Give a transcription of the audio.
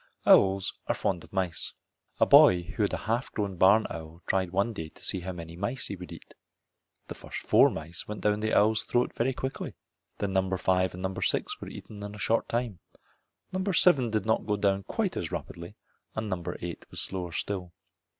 Owls are fond of mice. A boy who had a half grown barn owl tried him one day to see how many mice he would eat. The first four mice went down the owl's throat very quickly. Then number five and number six were eaten in a short time. Number seven did not go down quite as rapidly and number eight was slower still.